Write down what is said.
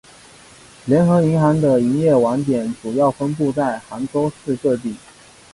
联合银行的营业网点主要分布在杭州市各地。